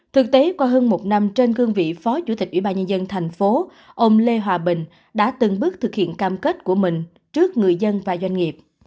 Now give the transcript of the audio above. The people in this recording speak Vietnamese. thực tế qua hơn một năm trên cương vị phó chủ tịch ủy ban nhân dân thành phố ông lê hòa bình đã từng bước thực hiện cam kết của mình trước người dân và doanh nghiệp